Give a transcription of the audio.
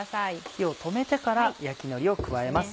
火を止めてから焼きのりを加えます。